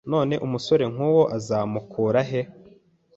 None umusore nkuwo uzamukura he